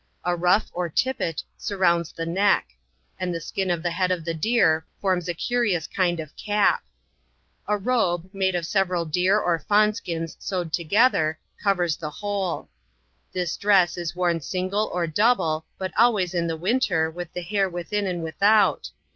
A mil* or tippet surrounds the neck; and the skin of the head of the deer forms a curious kind of cap. A robe, made of several deer or fawn skins sew3d, together, covers the whole. This dress is worn single or double, but always in the winter, with the hJir within and without.